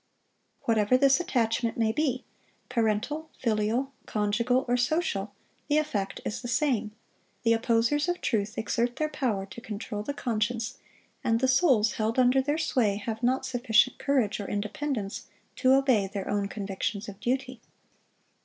Whatever this attachment may be, parental, filial, conjugal, or social, the effect is the same; the opposers of truth exert their power to control the conscience, and the souls held under their sway have not sufficient courage or independence to obey their own convictions of duty.